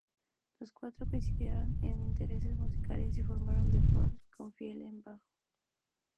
Los cuatro coincidieron en intereses musicales y formaron The Fall, con Friel en bajo.